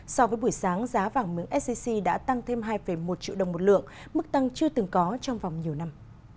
so với buổi sáng giá vàng miếng sgc đã tăng thêm hai một triệu đồng một lượng mức tăng chưa từng có trong vòng nhiều năm